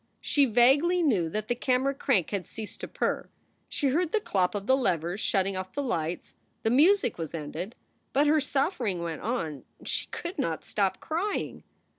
She vaguely knew that the camera crank had ceased to purr ; she heard the clop of the levers shutting off the lights ; the music was ended. But her suffering went on ; she could not stop crying.